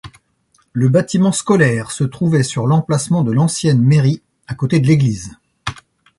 Le bâtiment scolaire se trouvait sur l'emplacement de l'ancienne mairie, à côté de l'église.